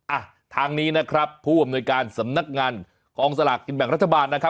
อ่ะทางนี้นะครับผู้อำนวยการสำนักงานกองสลากกินแบ่งรัฐบาลนะครับ